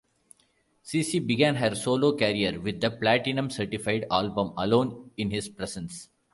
CeCe began her solo career with the Platinum certified album "Alone in His Presence".